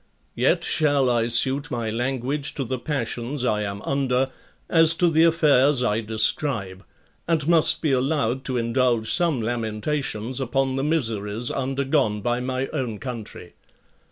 Yet shall I suit my language to the passions I am under, as to the affairs I describe, and must be allowed to indulge some lamentations upon the miseries undergone by my own country.